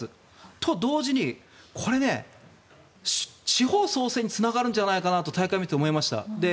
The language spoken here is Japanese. と、同時にこれ、地方創生につながるんじゃないかなと大会を見てて思いました。